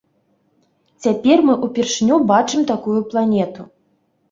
Цяпер мы ўпершыню бачым такую планету.